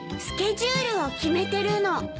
スケジュールを決めてるの。